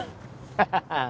ハハハッ！